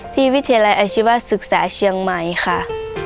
ที่วิทยาลัยอาชีวิตศึกษาช่องมินาช่างใหม่